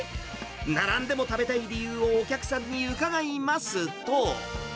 並んでも食べたい理由をお客さんに伺いますと。